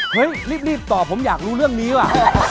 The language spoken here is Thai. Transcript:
เฮ้ยรีบตอบผมอยากรู้เรื่องนี้ว่ะ